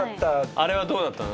あれはどうだったの？